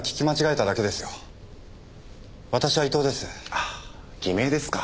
ああ偽名ですか。